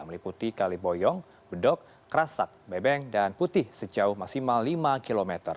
meliputi kaliboyong bedok kerasak bebeng dan putih sejauh maksimal lima km